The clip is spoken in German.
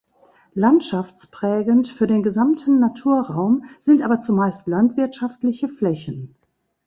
Landschaftsprägend für den gesamten Naturraum sind aber zumeist landwirtschaftliche Flächen.